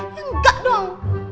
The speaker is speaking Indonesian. ya enggak dong